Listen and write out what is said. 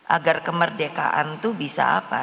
agar kemerdekaan itu bisa apa